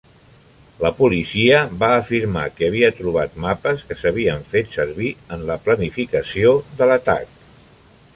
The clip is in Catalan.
La policia va afirmar que havia trobat mapes que s'havien fet servir en la planificació de l'atac.